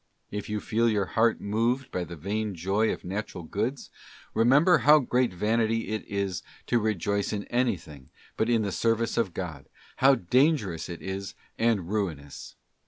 If you feel your heart moved by the vain joy of Natural Goods, remember how great vanity it is to rejoice in anything but in the service of God, how dangerous it is and ruinous.